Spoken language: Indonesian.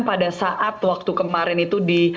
pada saat waktu kemarin itu di